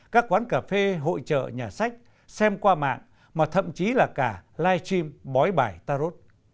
các quán cà phê hội chợ nhà sách xem qua mạng mà thậm chí là cả live stream bói bài tarot